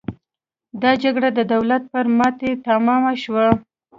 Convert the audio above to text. دا جګړه د دولت پر ماتې تمامه شوه.